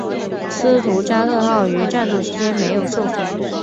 斯图加特号于战斗期间没有受损。